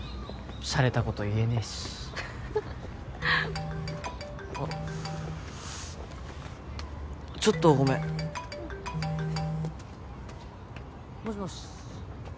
しゃれたこと言えねえしあっちょっとごめんうんもしもし？